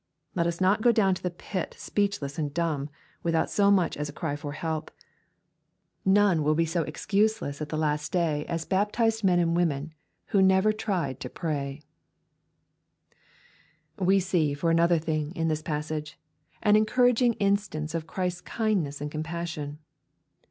Let us not go down to the pit speechless and dumb, without so much as a cry for help. None will be so excuseless at the last day as baptized men and women who never tried to pray 286 EXPOSITORY THOUGHTS. We see, for another thing, in this passage, an en* douraging instance of Christ^ s kindness and compassion.